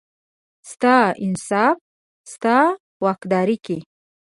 ستا انصاف، ستا واکدارۍ کې،